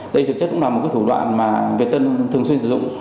đây thực chất cũng là một thủ đoạn mà việt tân thường xuyên sử dụng